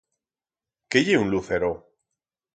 Qué ye un lucero?